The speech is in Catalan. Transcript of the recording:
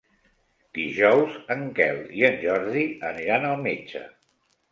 Dijous en Quel i en Jordi aniran al metge.